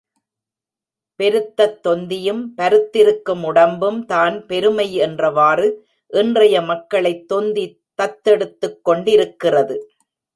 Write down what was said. பெருத்தத் தொந்தியும் பருத்திருக்கும் உடம்பும் தான் பெருமை என்றவாறு, இன்றைய மக்களைத் தொந்தி தத்தெடுத்துக் கொண்டிருக்கிறது.